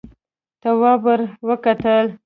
تواب ور وکتل.